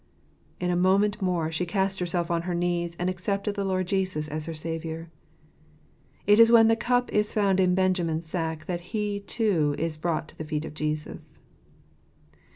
" In a moment more she cast herself on her knees, and accepted the Lord Jesus as her Saviour. It is when the cup is found in Benjamin's sack that he, too, is brought to the feet of Jesus.